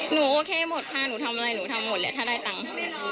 โอเคหมดค่ะหนูทำอะไรหนูทำหมดแหละถ้าได้ตังค์